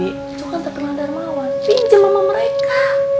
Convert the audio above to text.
itu kan terkenal darmawan pinjem sama mereka